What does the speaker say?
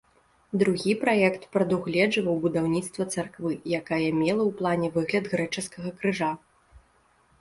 Другі праект прадугледжваў будаўніцтва царквы, якая мела ў плане выгляд грэчаскага крыжа.